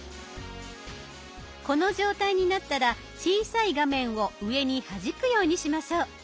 この状態になったら小さい画面を上にはじくようにしましょう。